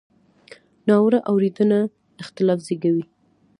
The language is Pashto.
ناوړه اورېدنه اختلاف زېږوي.